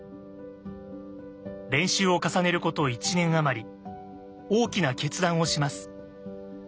練習を重ねること１年余り大きな決断をします。